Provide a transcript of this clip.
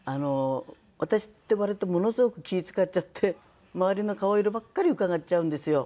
私って割とものすごく気ぃ使っちゃって周りの顔色ばっかりうかがっちゃうんですよ。